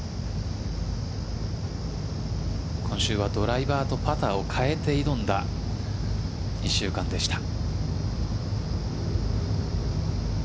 今週はドライバーとパターを変えて挑んだ１週間でした。